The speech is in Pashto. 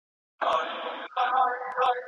د « هسکې مېنې» د څېړۍ څانګو کې ناستې مرغۍ